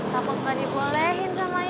kamu gak dibolehin sama ibu